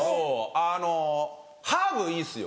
あのハーブいいですよ？